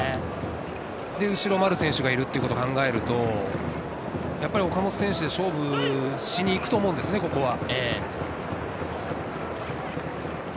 後ろ、丸選手がいるということも考えると、やっぱり岡本選手で勝負しにいくと思うんですよね、ここは。